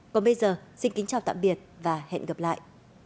còn bây giờ xin kính chào tạm biệt và hẹn gặp lại